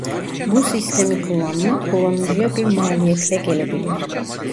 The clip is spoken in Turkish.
Bu sistemi kullanmak kullanıcıya bir maliyetle gelebilir.